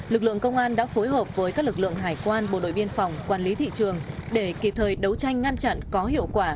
lực lượng công an đã phối hợp với các lực lượng hải quan bộ đội biên phòng quản lý thị trường để kịp thời đấu tranh ngăn chặn có hiệu quả